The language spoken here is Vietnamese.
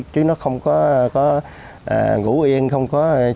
chứ nó không có ngủ yên không có chịu tuộc hậu đâu